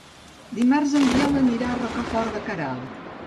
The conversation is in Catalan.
Dimarts en Biel anirà a Rocafort de Queralt.